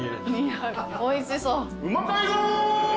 おいしそう。